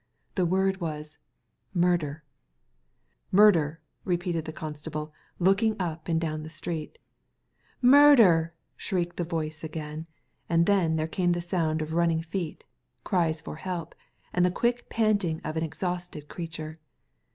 The word was « Murder I" ''Murder! " repeated the constable, looking up and down the street " Murder 1" shrieked the voice again; and then there came the sound of running feet, cries for help, and the quick panting of an exhausted creature.